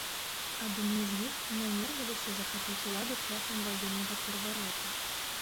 Адны з іх намерваліся захапіць уладу шляхам ваеннага перавароту.